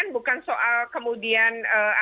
bukan soal kemudian